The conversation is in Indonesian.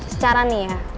secara nih ya